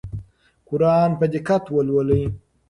قرآن په دقت ولولئ.